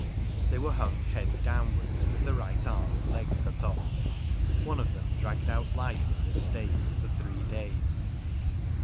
They were hung head downwards, with the right arm and leg cut off ; one of them dragged out life in this state for three days.